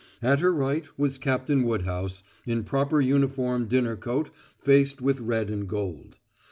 At her right was Captain Woodhouse, in proper uniform dinner coat faced with red and gold.